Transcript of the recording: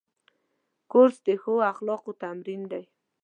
کورس د ښو اخلاقو تمرین دی.